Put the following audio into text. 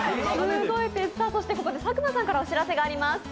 そしてここで佐久間さんからお知らせがあります。